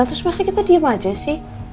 terus masa kita diam aja sih